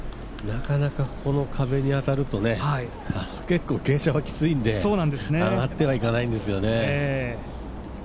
なかなかここの壁に当たると結構、傾斜はきついので、上がってはいかないんですよね。